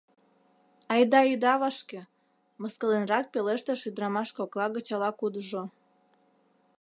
— Айда ида вашке, — мыскыленрак пелештыш ӱдрамаш кокла гыч ала-кудыжо.